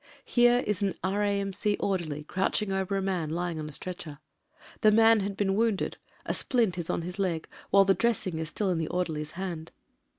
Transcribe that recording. Here is an R.A.M.C. orderly crouching over a man lying on a stretcher. The man had been wounded — 2 splint is on his leg, while the dressing is still in the orderly's hand.